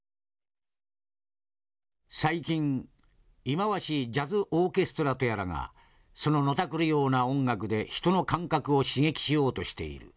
「最近忌まわしいジャズ・オーケストラとやらがそののたくるような音楽で人の感覚を刺激しようとしている。